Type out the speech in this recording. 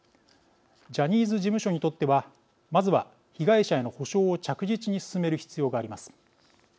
ジャニーズ事務所にとってはまずは、被害者への補償を着実に進める必要があります。